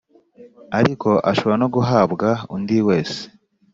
ariko ashobora no guhabwa undi wese